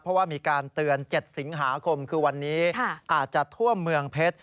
เพราะว่ามีการเตือน๗สิงหาคมคือวันนี้อาจจะทั่วเมืองเพชร